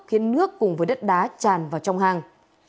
khiến nước cùng với đất đá tràn vào trong hang